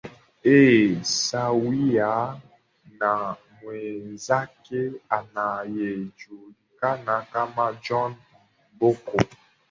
ee sawia na mwenzake anayejulikana kama john mboko